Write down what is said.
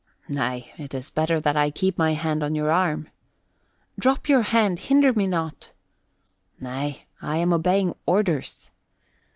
"Nay, it is better that I keep my hand on your arm." "Drop your hand! Hinder me not!" "Nay, I am obeying orders."